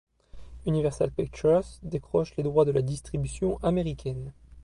Universal Pictures décroche les droits de la distribution américaine.